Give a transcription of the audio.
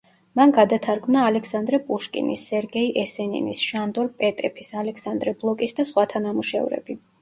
მან გადათარგმნა ალექსანდრე პუშკინის, სერგეი ესენინის, შანდორ პეტეფის, ალექსანდრე ბლოკის და სხვათა ნამუშევრები.